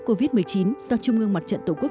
covid một mươi chín do trung ương mặt trận tổ quốc